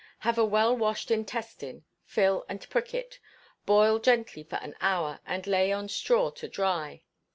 Have a well washed intestine, fill, and prick it; boil gently for an hour, and lay on straw to dry.